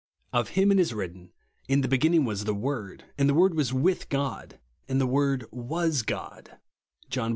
Of him it is written, " In the beginning \Yas the Word, and the Word was with God, and the Word w^as God," (John i.